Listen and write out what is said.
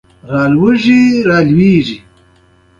لور دې په زرو کې پټه کړه.